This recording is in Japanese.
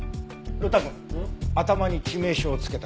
呂太くん頭に致命傷をつけた凶器。